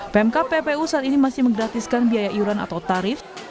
pmk ppu saat ini masih menggratiskan biaya iuran atau tarif